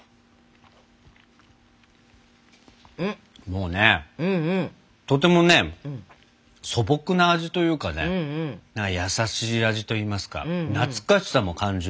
もうねとてもね素朴な味というかね優しい味といいますか懐かしさも感じるような味ですね。